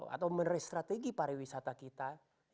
atau menerai strategi para wisata kita